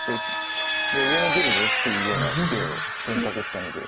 上に出るぞというような手を選択したので。